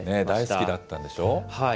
大好きだったんでしょう？